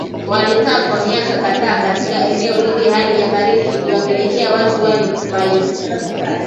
Walikaa kwa miaka kadhaa katika eneo lile Hali ya baridi iliwapelekea watu wale kupaita